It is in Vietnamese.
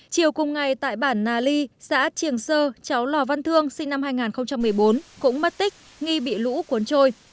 chiều cùng ngày tại bản nà ly xã triềng sơ cháu lò văn thương sinh năm hai nghìn một mươi bốn cũng mất tích nghi bị lũ cuốn trôi